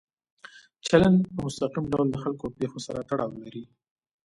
چلند په مستقیم ډول د خلکو او پېښو سره تړاو لري.